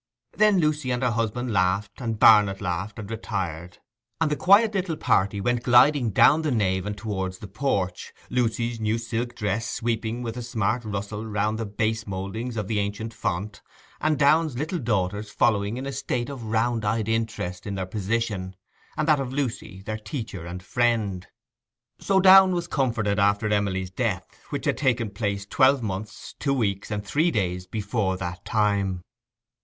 Then Lucy and her husband laughed, and Barnet laughed and retired; and the quiet little party went gliding down the nave and towards the porch, Lucy's new silk dress sweeping with a smart rustle round the base mouldings of the ancient font, and Downe's little daughters following in a state of round eyed interest in their position, and that of Lucy, their teacher and friend. So Downe was comforted after his Emily's death, which had taken place twelve months, two weeks, and three days before that time.